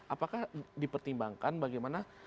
apakah dipertimbangkan bagaimana